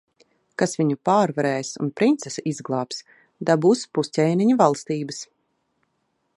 Kas viņu pārvarēs un princesi izglābs, dabūs pus ķēniņa valstības.